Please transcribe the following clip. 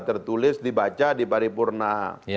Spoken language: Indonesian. tertulis dibaca diparipurna